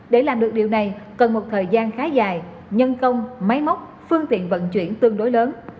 để làm được điều này cần một thời gian khá dài nhân công máy móc phương tiện vận chuyển tương đối lớn